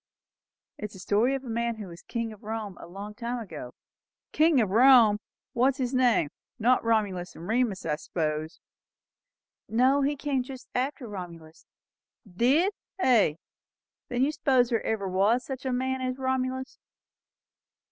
"It is a story of a man who was king of Rome a great while ago." "King o' Rome! What was his name? Not Romulus and Remus, I s'pose?" "No; but he came just after Romulus." "Did, hey? Then you s'pose there ever was sich a man as Romulus?"